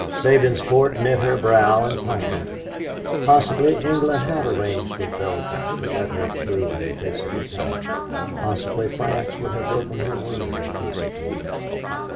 Sabinsport knit her brow and pondered. Possibly England had arranged with Belgium to let her through in case of attack possibly France would have broken her word in case of need.